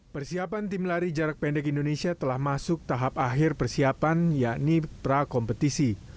persiapan tim lari jarak pendek indonesia telah masuk tahap akhir persiapan yakni prakompetisi